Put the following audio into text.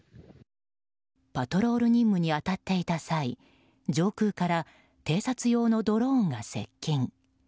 パトロール任務に当たっていた際上空から偵察用のドローンが接近。